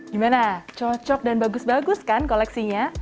gimana cocok dan bagus bagus kan koleksinya